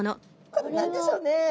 これ何でしょうね？